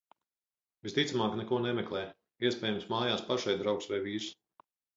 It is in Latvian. Visticamāk neko nemeklē, iespējams mājās pašai draugs vai vīrs.